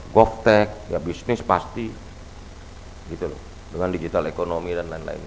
govtech bisnis pasti dengan digital economy dan lain lain